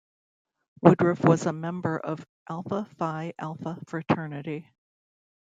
Woodruff was a member of Alpha Phi Alpha fraternity.